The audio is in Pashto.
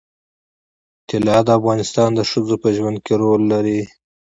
طلا د افغان ښځو په ژوند کې رول لري.